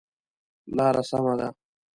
لاره سمه ده؟